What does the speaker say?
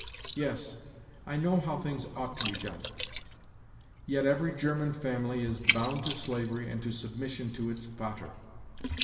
Yes, I know how things ought to be done. Yet every German family is bound to slavery and to submission to its 'Vater.